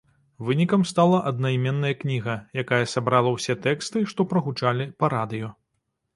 Вынікам стала аднайменная кніга, якая сабрала ўсе тэксты, што прагучалі па радыё.